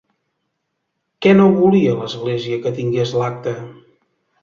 Què no volia l'Església que tingues l'acte?